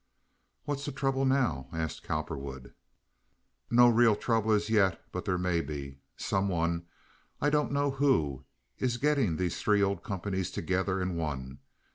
"What's the trouble now?" asked Cowperwood. "No real trouble as yet, but there may be. Some one—I don't know who—is getting these three old companies together in one.